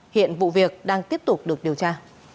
hiện vụ việc đang tiếp tục được điều tra